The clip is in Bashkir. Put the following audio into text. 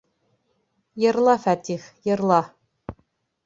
Йырла, Фәтих, йырла.